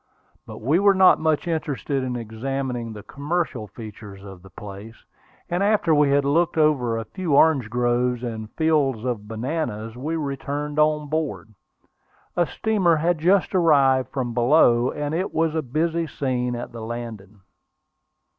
But we were not much interested in examining the commercial features of the place, and after we had looked over a few orange groves and fields of bananas, we returned on board. A steamer had just arrived from below, and it was a busy scene at the landing.